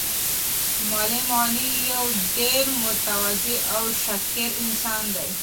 معلم غني یو ډېر متواضع او شاکر انسان دی.